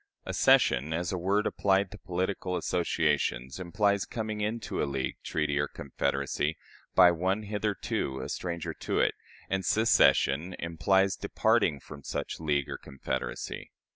Accession, as a word applied to political associations, implies coming into a league, treaty, or confederacy, by one hitherto a stranger to it; and secession implies departing from such league or confederacy.